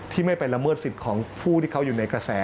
ไม่ไปละเมิดสิทธิ์ของผู้ที่เขาอยู่ในกระแส